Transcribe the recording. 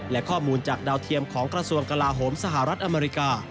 และข้อมูลจากดาวเทียมของกระทรวงกลาโหมสหรัฐอเมริกา